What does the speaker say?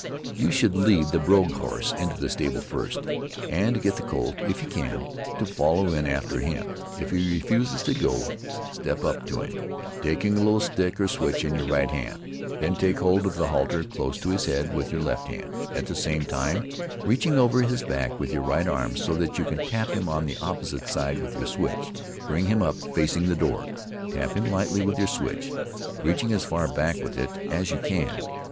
You should lead the broke horse into the stable first, and get the colt, if you can, to follow in after him. If he refuses to go, step up to him, taking a little stick or switch in your right hand; then take hold of the halter close to his head with your left hand, at the same time reaching over his back with your right arm so that you can tap him on the opposite side with your switch; bring him up facing the door, tap him lightly with your switch, reaching as far back with it as you can.